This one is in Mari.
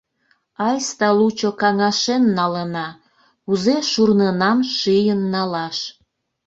Айста лучо каҥашен налына: кузе шурнынам шийын налаш...